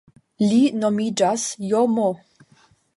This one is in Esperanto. Li nomiĝas JoMo.